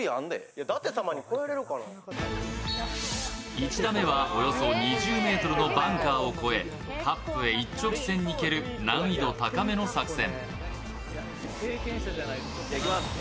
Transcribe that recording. １打目はおよそ２０ｍのバンカーを越えカップへ一直線に蹴る、難易度高めの作戦。